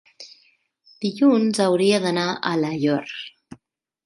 Dilluns hauria d'anar a Alaior.